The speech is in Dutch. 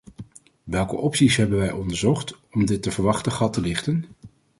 Welke opties hebben wij onderzocht om dit te verwachten gat te dichten?